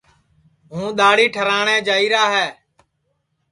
ہوں دؔاڑی ٹھراٹؔے جائیرا ہے